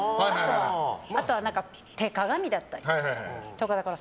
あとは手鏡だったりとかだったり